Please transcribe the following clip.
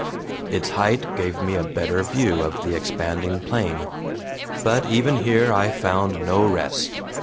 Its height gave me a better view of the expanding plain. But even here I found no rest.